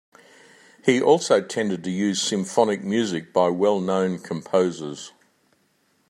He also tended to use symphonic music by well-know composers.